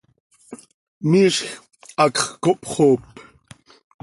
Miizj hacx cohpxoop.